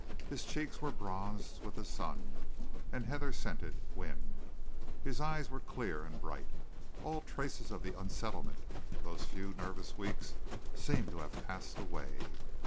His cheeks were bronzed with the sun and heather scented wind. His eyes were clear and bright. All traces of the unsettlement of those few nervous weeks seemed to have passed away.